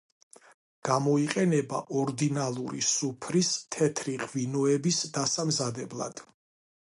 გამოიყენება ორდინალური სუფრის თეთრი ღვინოების დასამზადებლად.